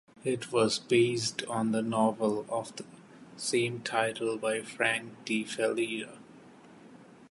It was based on the novel of the same title by Frank De Felitta.